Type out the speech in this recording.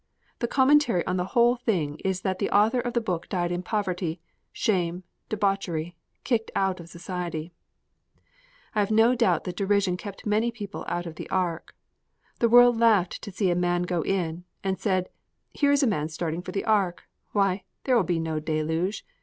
The commentary on the whole thing is that the author of that book died in poverty, shame, debauchery, kicked out of society. I have no doubt that derision kept many people out of the ark. The world laughed to see a man go in, and said, "Here is a man starting for the ark. Why, there will be no deluge.